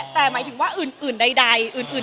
แต่หมายถึงว่าอื่นใด